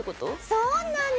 そうなの。